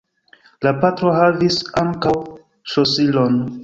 La patro havis ankaŭ ŝlosilon.